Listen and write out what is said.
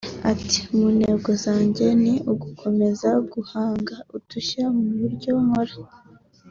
Ati “Mu ntego zanjye ni ugukomeza guhanga udushya mu byo nkora